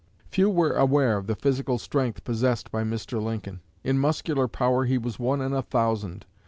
Few were aware of the physical strength possessed by Mr. Lincoln. In muscular power he was one in a thousand.